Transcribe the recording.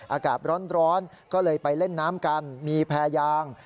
อากาศร้อนก็เลยไปเล่นน้ำกันมีแพรยาง